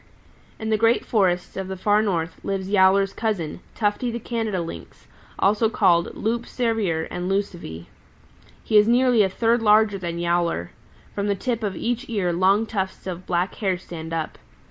"In the great forests of the Far North lives Yowler's cousin, Tufty the Canada Lynx, also called Loup Cervier and Lucivee. He is nearly a third larger than Yowler. From the tip of each ear long tufts of black hair stand up.